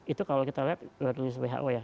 itu kalau kita lihat dari rilis who ya